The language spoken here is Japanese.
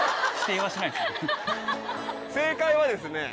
正解はですね